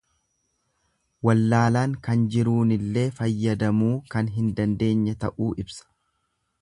Wallaalaan kan jiruunillee fayyadamuu kan hin dandeenye ta'uu ibsa.